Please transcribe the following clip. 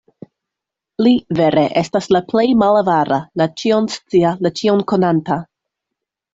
Li, vere, estas la Plej Malavara, la Ĉion-Scia, la Ĉion-Konanta.